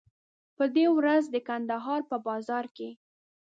په دې ورځ د کندهار په بازار کې.